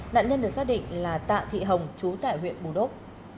nạn nhân được xác định là tạ thị hồng trú tại huyện bù đốt